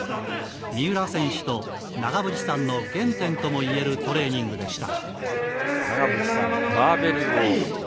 三浦選手と長渕さんの原点ともいえるトレーニングでした。